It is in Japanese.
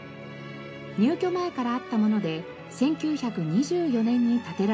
入居前からあったもので１９２４年に建てられています。